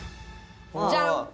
ジャン！